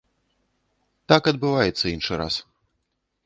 Так адбываецца іншы раз.